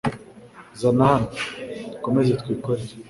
Zana hano .Dukomeze twikorere